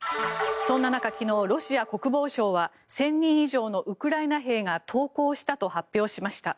そんな中、昨日ロシア国防省は１０００人以上のウクライナ兵が投降したと発表しました。